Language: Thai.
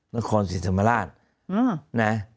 ในฮศิษย์ธรรมราช